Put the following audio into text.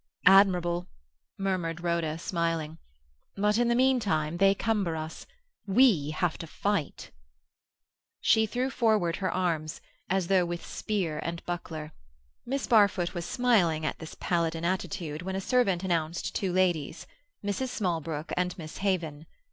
"Admirable!" murmured Rhoda, smiling. "But in the meantime they cumber us; we have to fight." She threw forward her arms, as though with spear and buckler. Miss Barfoot was smiling at this Palladin attitude when a servant announced two ladies—Mrs. Smallbrook and Miss Haven.